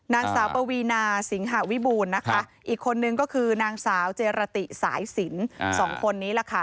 นางสาวปวีนาสิงหาวิบูรณ์นะคะอีกคนนึงก็คือนางสาวเจรติสายสินสองคนนี้แหละค่ะ